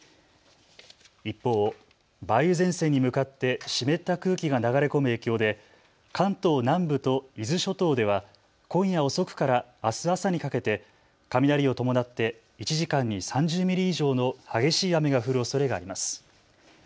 一方、梅雨前線に向かって湿った空気が流れ込む影響で関東南部と伊豆諸島では今夜遅くからあす朝にかけて雷を伴って１時間に３０ミリ以上の激しい雨が降るおそれがあります。